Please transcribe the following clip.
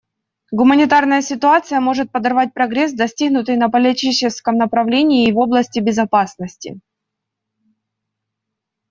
Гуманитарная ситуация может подорвать прогресс, достигнутый на политическом направлении и в области безопасности.